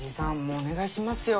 お願いしますよ。